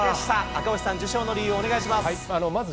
赤星さん、受賞の理由お願いします。